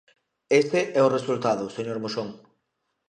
Ese é o resultado, señor Moxón.